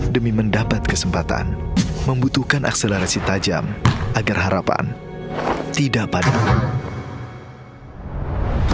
demi mendapat kesempatan membutuhkan akselerasi tajam agar harapan tidak padat